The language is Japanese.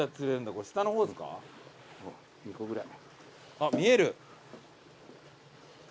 あっ見える。